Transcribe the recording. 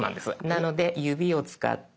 なので指を使って。